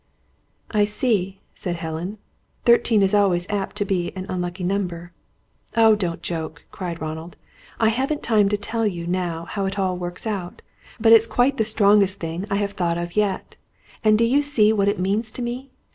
"I see," said Helen. "Thirteen is always apt to be an unlucky number." "Oh, don't joke!" cried Ronald. "I haven't time to tell you, now, how it all works out. But it's quite the strongest thing I've thought of yet. And do you see what it means to me?